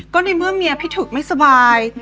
ก็ในเมื่อเมียพี่ถึกไม่สบาย